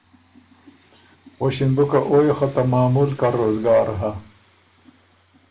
غؤݭِن بو که او يې خه ته معمول کر روزګار هۀ۔